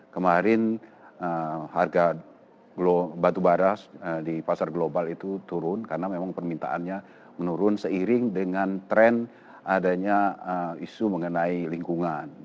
kemarin harga batubara di pasar global itu turun karena memang permintaannya menurun seiring dengan tren adanya isu mengenai lingkungan